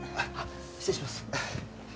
失礼します。